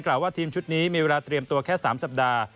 ว่าทีมชุดนี้มีเวลาเตรียมตัวแค่๓สัปดาห์